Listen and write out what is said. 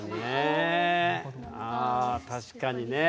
あ確かにね。